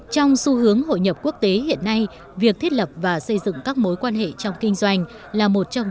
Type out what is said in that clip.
trong xu hướng hội nhập quốc tế hiện nay việc thiết lập và xây dựng các mối quan hệ trong kinh doanh là một trong những kỹ năng quan trọng nhất để phát triển công ty